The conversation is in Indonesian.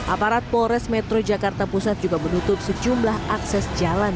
aparat polres metro jakarta pusat juga menutup sejumlah akses jalan